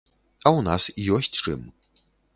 А ў нас ёсць чым.